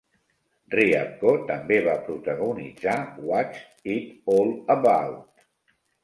Riabko també va protagonitzar What's It All About?